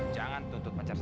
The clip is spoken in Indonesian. jangan tutup pacar saya